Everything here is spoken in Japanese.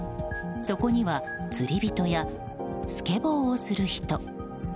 そこには釣り人やスケボーをする人。